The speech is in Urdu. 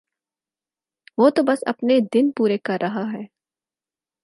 وہ تو بس اپنے دن پورے کر رہا ہے